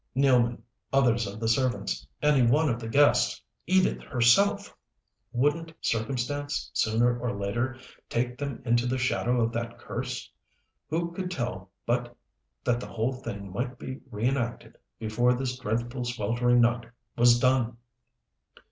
Nealman, others of the servants, any one of the guests Edith herself wouldn't circumstance, sooner or later, take them into the shadow of that curse? Who could tell but that the whole thing might be reënacted before this dreadful, sweltering night was done!